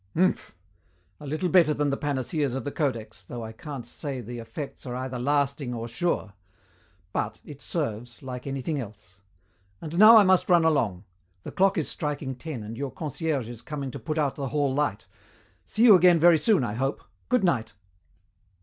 "Hmph. A little better than the panaceas of the Codex, though I can't say the effects are either lasting or sure. But, it serves, like anything else. And now I must run along. The clock is striking ten and your concierge is coming to put out the hall light. See you again very soon, I hope. Good night."